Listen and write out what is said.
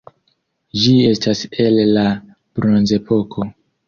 Ĝi estas el la bronzepoko.